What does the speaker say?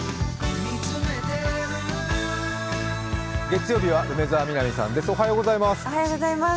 月曜日は梅澤美波さんですおはようございます。